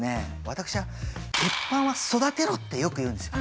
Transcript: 私は「鉄板は育てろ！」ってよく言うんですよ。